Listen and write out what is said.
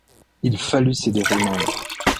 Il fallut céder au nombre.